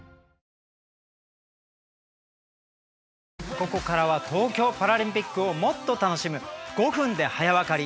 ここからは東京パラリンピックをもっと楽しむ「５分で早わかり」